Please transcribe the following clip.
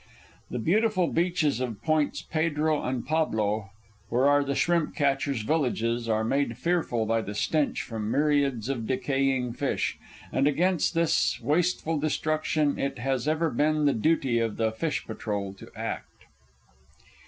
The beautiful beaches of Points Pedro and Pablo, where are the shrimp catchers villages, are made fearful by the stench from myriads of decaying fish, and against this wasteful destruction it has ever been the duty of the fish patrol to act.